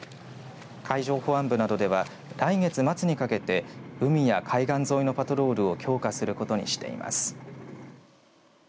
海上保安部などでは来月末にかけて海や海岸沿いのパトロールを強化することにしています。